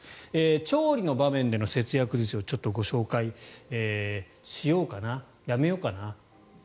調理の場面での節約術をご紹介しようかなやめようかな。